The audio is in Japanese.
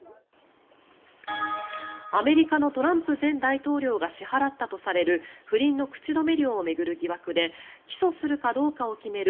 アメリカのトランプ前大統領が支払ったとされる不倫の口止め料を巡る疑惑で起訴するかどうかを決める